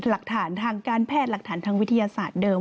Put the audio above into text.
หลักฐานทางการแพทย์หลักฐานทางวิทยาศาสตร์เดิม